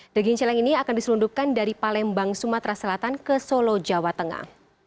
daging celeng ini akan diselundupkan dari palembang sumatera selatan ke solo jawa tengah